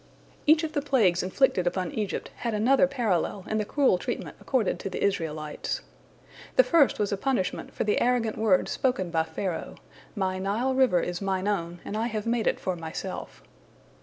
Each, of the plagues inflicted upon Egypt had another parallel in the cruel treatment accorded to the Israelites. The first was a punishment for the arrogant words spoken by Pharaoh, "My Nile river is mine own, and I have made it for myself."